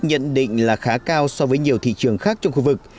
nhận định là khá cao so với nhiều thị trường khác trong khu vực